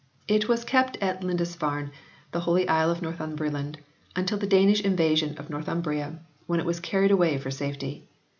It was kept at Lindisfarne, the Holy Isle of Northumberland, until the Danish invasion of Northumbria, when it was carried away for safety.